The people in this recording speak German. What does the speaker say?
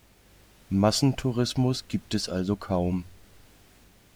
Massentourismus gibt es also kaum.